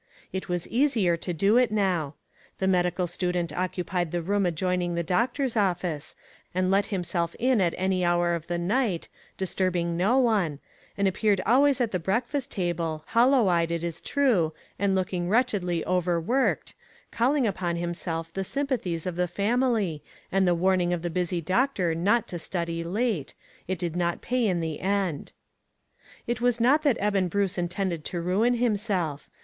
It was easier to do it now. The medical student occu pied the room adjoining the doctor's office, and let himself in at any hour of the night, disturbing no one, and appeared always at the breakfast table, hollow eyed, it is true, and looking wretchedly overworked, calling upon himself the sympathies of the family, and the warning of the busy doctor not to study late, it did not pay in the end. It was not that Eben Bruce intended to ruin himself.